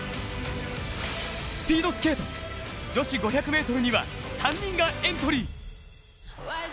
スピードスケート女子５００ｍには３人がエントリー。